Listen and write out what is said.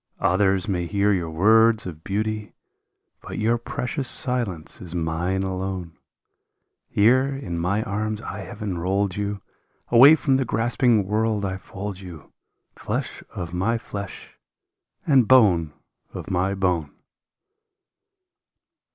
Others may hear your words of beauty, But your precious silence is mine alone; Here in my arms I have enrolled you. Away from the grasping world I fold you. Flesh of my flesh and bone of my bone